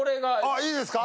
あいいですか？